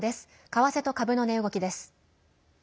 為替と株の値動きです。